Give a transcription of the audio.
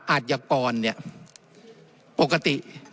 อัตยกรปกติ